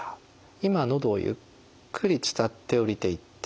今のどをゆっくり伝って下りていってる」。